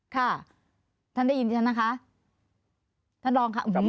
ค่ะท่านได้ยินดิฉันนะคะ